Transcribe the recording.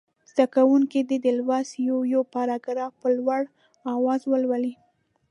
زده کوونکي دې د لوست یو یو پاراګراف په لوړ اواز ولولي.